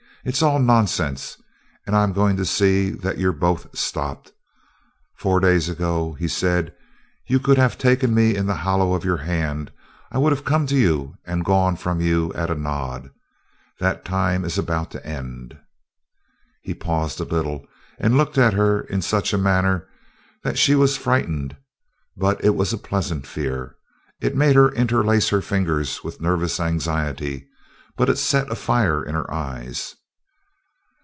"It's all nonsense, and I'm going to see that you're both stopped." "Four days ago," he said, "you could have taken me in the hollow of your hand. I would have come to you and gone from you at a nod. That time is about to end." He paused a little, and looked at her in such a manner that she was frightened, but it was a pleasant fear. It made her interlace her fingers with nervous anxiety, but it set a fire in her eyes.